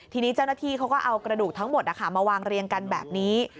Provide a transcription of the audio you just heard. ทีนี้เจ้าหน้าที่เขาก็เอากระดูกทั้งหมดมาวางเรียงกันแบบนี้